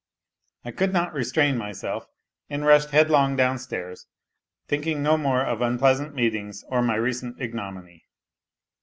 I could not restrain myself, and rushed headlong downstairs, thinking no more of unpleasant meetings or my recent ignominy.